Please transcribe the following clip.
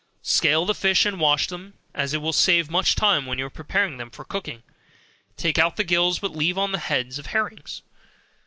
Scale the fish and wash them, as it will save much time, when you prepare them for cooking, take out the gills, but leave on the heads of herrings.